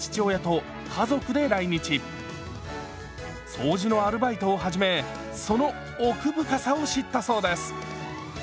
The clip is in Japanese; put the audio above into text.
掃除のアルバイトを始めその奥深さを知ったそうです。